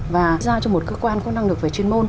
và giao cho một cơ quan có năng lực về chuyên môn